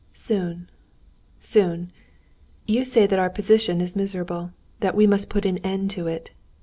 "Soon, soon. You say that our position is miserable, that we must put an end to it.